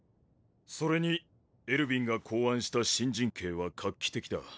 それにエルヴィンが考案した新陣形は画期的だ。